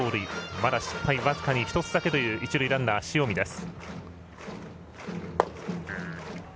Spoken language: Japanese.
まだ失敗１つだけという一塁ランナー、塩見です。